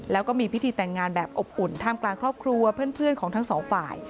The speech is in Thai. แล้วก็มีพิธีแต่งงานแบบอบอุ่นท่ามกลางครอบครัวเพื่อนของทั้งสองฝ่าย